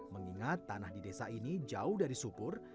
mengingat tanah di desa ini jauh dari supur